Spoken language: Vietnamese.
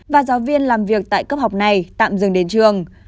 và giáo viên làm việc tại cấp học này tạm dừng đến trường